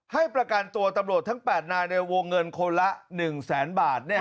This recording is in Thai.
ให้ประกันตัวตำรวจทั้ง๘นายในวงเงินคนละ๑แสนบาท